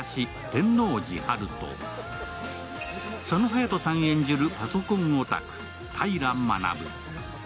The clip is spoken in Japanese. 天王寺陽と、佐野勇斗さん演じるパソコンオタク・平学。